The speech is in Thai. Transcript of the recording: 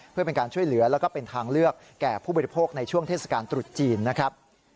เพื่อเป็นการช่วยเหลือแล้วก็เป็นทางเลือกแก่ผู้บริโภคในช่วงเทศกาลตรุษจีนนะครับ